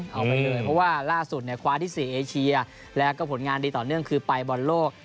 เพราะว่าล่าสุดคว้าที่๔เอเชียแล้วก็ผลงานดีต่อเนื่องคือไปบอลโลก